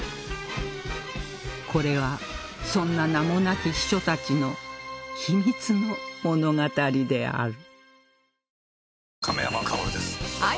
これはそんな名もなき秘書たちの秘密の物語である